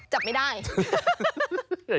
จับไม่ได้